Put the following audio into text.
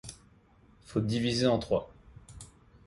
Faut diviser en trois…